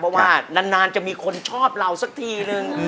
เพราะว่านานจะมีคนชอบเราสักทีนึง